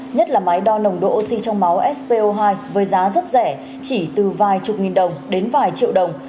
nhất là máy đo nồng độ oxy trong máu spo hai với giá rất rẻ chỉ từ vài chục nghìn đồng đến vài triệu đồng